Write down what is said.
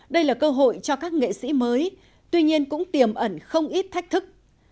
đây là cơ hội cho các nghệ sĩ mới tuy nhiên cũng tiềm ẩn không ít thách thức